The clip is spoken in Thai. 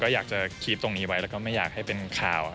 ก็อยากจะคีฟตรงนี้ไว้แล้วก็ไม่อยากให้เป็นข่าว